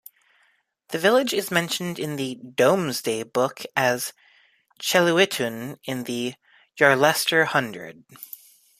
The village is mentioned in the "Domesday Book" as "Cheluitun" in the "Yarlestre" hundred.